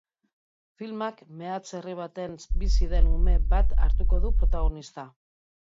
Filmak, meatz herri baten bizi den ume bat hartuko du protagonista.